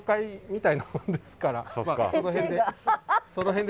その辺で。